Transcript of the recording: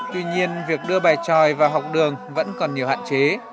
tuy nhiên việc đưa bài tròi vào học đường vẫn còn nhiều hạn chế